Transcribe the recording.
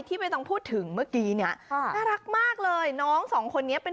ไม่ต้องพูดถึงเมื่อกี้เนี้ยค่ะน่ารักมากเลยน้องสองคนนี้เป็น